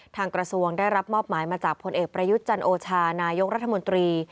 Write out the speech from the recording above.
กระทรวงได้รับมอบหมายมาจากพลเอกประยุทธ์จันโอชานายกรัฐมนตรี